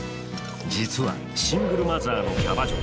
実はシングルマザーのキャバ嬢。